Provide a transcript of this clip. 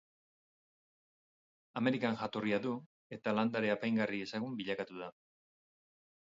Amerikan jatorria du eta landare apaingarri ezagun bilakatu da.